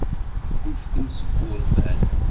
Tekkufftem seg wurfan.